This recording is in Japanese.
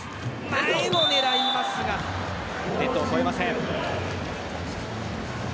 前を狙いますがネットを越えません。